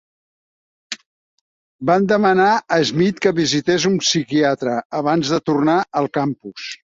Van demanar a Schmidt que visités un psiquiatra abans de tornar al campus.